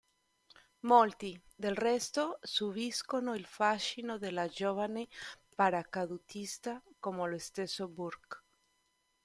Molti, del resto, subiscono il fascino della giovane paracadutista, come lo stesso Burke.